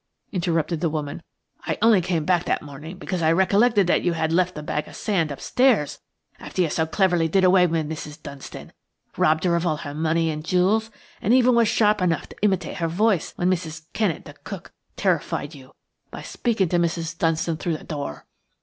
interrupted the woman. "I only came back that morning because I recollected that you had left the bag of sand upstairs after you so cleverly did away with Mrs. Dunstan, robbed her of all her money and jewels, and even were sharp enough to imitate her voice when Mrs. Kennett, the cook, terrified you by speaking to Mrs. Dunstan through the door."